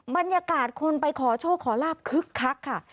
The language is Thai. บรรยากาศคนไปขอโชคขอลาบคึกคักค่ะ